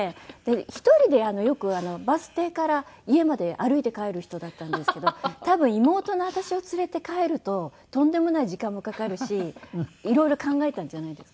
１人でよくバス停から家まで歩いて帰る人だったんですけど多分妹の私を連れて帰るととんでもない時間もかかるしいろいろ考えたんじゃないですか。